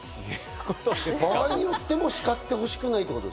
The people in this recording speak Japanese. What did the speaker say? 場合によっても叱ってほしくないと。